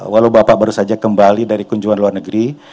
walau bapak baru saja kembali dari kunjungan luar negeri